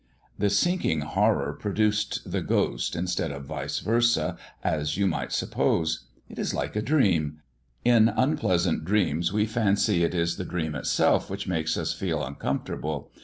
"The sinking horror produced the ghost, instead of vice versa, as you might suppose. It is like a dream. In unpleasant dreams we fancy it is the dream itself which makes us feel uncomfortable.